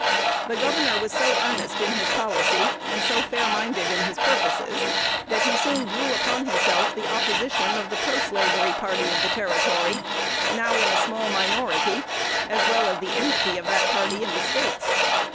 The governor was so earnest in his policy, and so fair minded in his purposes, that he soon drew upon himself the opposition of the proslavery party of the Territory, now in a small minority, as well as the enmity of that party in the States.